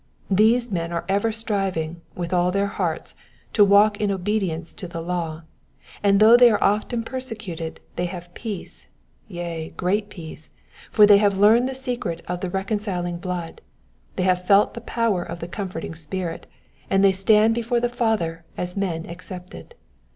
These men are ever striving, with all their hearts, to walk in obedience to the law, and though they are often persecuted they have peace, yea, great peace ; for they have learned the secret of the reconciling blood, they have felt the power of the comforting Spirit, and they stand before the Father as men accepted.